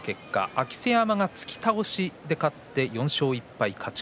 明瀬山が突き倒しで勝って４勝１敗。